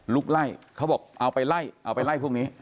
ลุกไล่เขาบอกเอาไปไล่พวกนี้